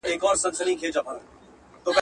خزانې د سردارانو يې وهلې.